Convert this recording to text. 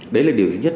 đấy là điều thứ nhất